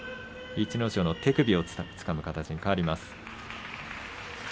逸ノ城の手首をつかむ形に変わりました。